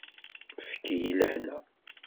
Efk-iyi lehna!